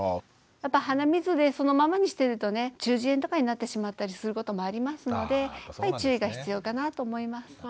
やっぱり鼻水でそのままにしてるとね中耳炎とかになってしまったりすることもありますので注意が必要かなと思います。